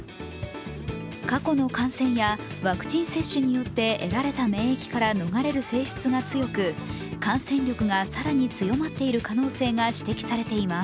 過去の感染やワクチン接種によって得られた免疫から逃れる性質が強く感染力が更に強まっている可能性が指摘されています。